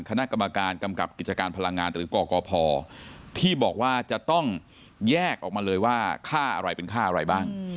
คณะกรรมการกำกับกิจการพลังงานหรือกกพที่บอกว่าจะต้องแยกออกมาเลยว่าค่าอะไรเป็นค่าอะไรบ้าง